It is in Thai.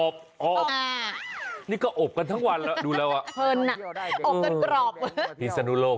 อบนี่ก็อบกันทั้งวันดูแล้วอะอบกันกรอบ